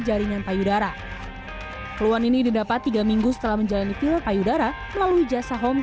jaringan payudara keluhan ini didapat tiga minggu setelah menjalani filler payudara melalui jasa home